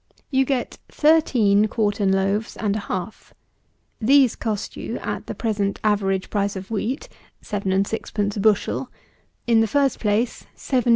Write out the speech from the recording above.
You get thirteen quartern loaves and a half; these cost you, at the present average price of wheat (seven and sixpence a bushel,) in the first place 7_s_.